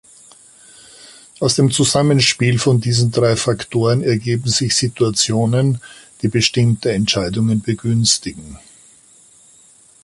Aus dem Zusammenspiel von diesen drei Faktoren ergeben sich Situationen, die bestimmte Entscheidungen begünstigen.